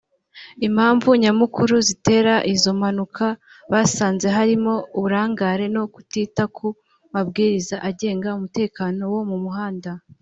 Impamvu Nyamukuru zitera izo mpanuka basanze harimo uburangare no kutita ku mabwiriza agenga umutekano wo mu muhanda